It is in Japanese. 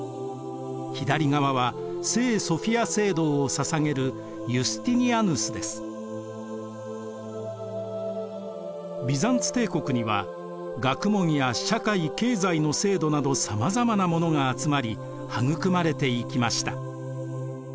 向かって右側は都の左側はビザンツ帝国には学問や社会・経済の制度などさまざまなものが集まり育まれていきました。